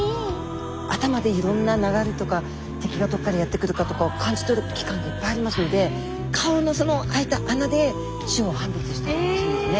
頭でいろんな流れとか敵がどこからやって来るかとかを感じ取る器官がいっぱいありますので顔のその開いた穴で種を判別しているんですね。